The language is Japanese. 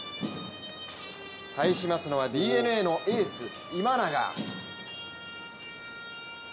対しますのはＤｅＮＡのエース今永。